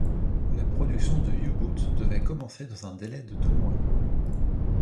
La production de U-Boote devait commencer dans un délai de deux mois.